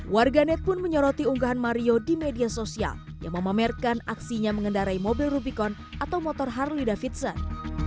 warganet pun menyoroti unggahan mario di media sosial yang memamerkan aksinya mengendarai mobil rubicon atau motor harley davidson